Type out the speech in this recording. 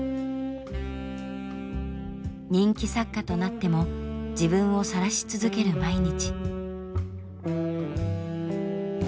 人気作家となっても自分をさらし続ける毎日。